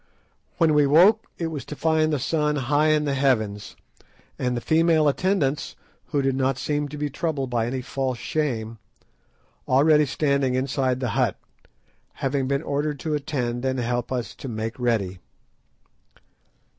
When we woke it was to find the sun high in the heavens, and the female attendants, who did not seem to be troubled by any false shame, already standing inside the hut, having been ordered to attend and help us to "make ready."